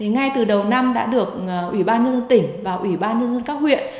ngay từ đầu năm đã được ủy ban nhân dân tỉnh và ủy ban nhân dân các huyện